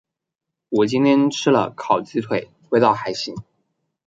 我今天吃了烤鸡腿，味道还行。